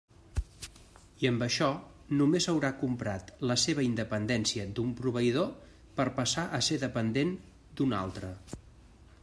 I amb això només haurà comprat la seva independència d'un proveïdor per passar a ser dependent d'un altre.